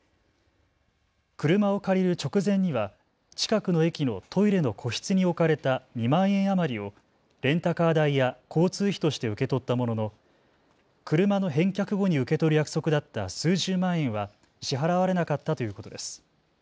車を借りる直前には近くの駅のトイレの個室に置かれた２万円余りをレンタカー代や交通費として受け取ったものの車の返却後に受け取る約束だった数十万円は支払われなかったということです。